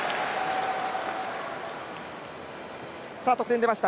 得点出ました